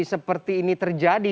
seperti ini terjadi